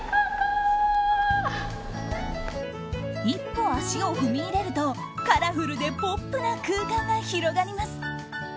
一歩足を踏み入れるとカラフルでポップな空間が広がります。